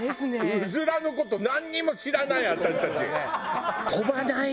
うずらの事なんにも知らない私たち。